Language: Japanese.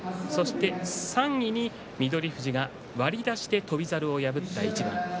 ３位に翠富士が割り出しで翔猿を破った一番です。